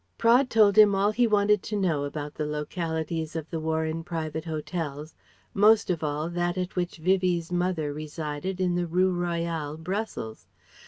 Praed told him all he wanted to know about the localities of the Warren Private Hotels; most of all, that at which Vivie's mother resided in the Rue Royale, Brussels.